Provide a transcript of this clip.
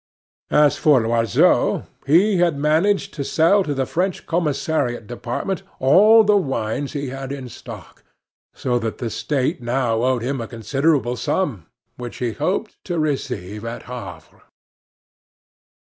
As for Loiseau, he had managed to sell to the French commissariat department all the wines he had in stock, so that the state now owed him a considerable sum, which he hoped to receive at Havre.